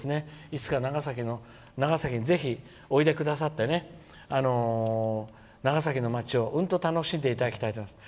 いつか、長崎にぜひおいでくださって長崎の街をうんと楽しんでいただきたいと思います。